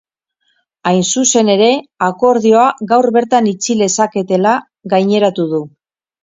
Hain zuzen ere, akordioa gaur bertan itxi lezaketela gaineratu du.